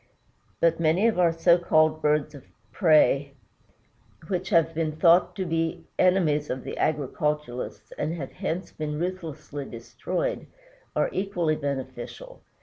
But many of our so called birds of prey, which have been thought to be the enemies of the agriculturist and have hence been ruthlessly destroyed, are equally beneficial.